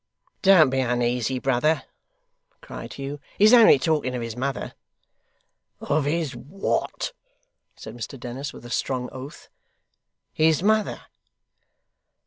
'Don't be uneasy, brother,' cried Hugh, 'he's only talking of his mother.' 'Of his what?' said Mr Dennis with a strong oath. 'His mother.